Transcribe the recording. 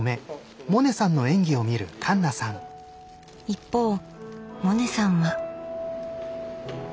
一方萌音さんは。